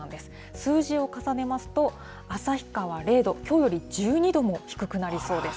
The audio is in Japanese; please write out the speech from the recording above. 数字を重ねますと、旭川０度、きょうより１２度も低くなりそうです。